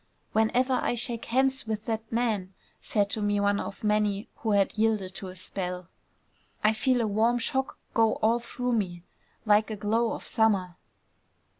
"Whenever I shake hands with that man," said to me one of many who had yielded to his spell, "I feel a warm shock go all through me, like a glow of summer."